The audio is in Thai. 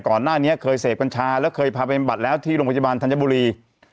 ก่อนหน้านี้เคยเสพกัญชาแล้วเคยพาไปบำบัดแล้วที่โรงพยาบาลธัญบุรี